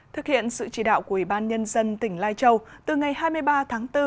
thực hiện sự chỉ đạo của ủy ban nhân dân tỉnh lai châu từ ngày hai mươi ba tháng bốn